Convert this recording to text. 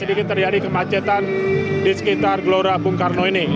sedikit terjadi kemacetan di sekitar gelora bung karno ini